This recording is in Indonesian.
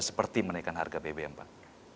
seperti menaikkan harga bbm pak